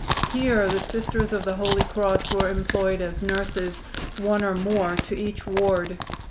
Here the Sisters of the Holy Cross were employed as nurses, one or more to each ward.